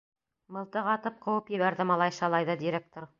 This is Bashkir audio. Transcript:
Мылтыҡ атып ҡыуып ебәрҙе малай-шалайҙы директор.